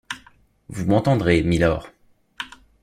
Vous m’entendrez, mylords.